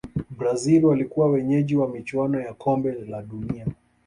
brazil walikuwa wenyeji wa michuano ya kombe la dunia